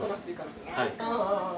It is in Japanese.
はい。